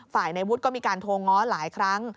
ในวุฒิก็มีการโทรง้อหลายครั้ง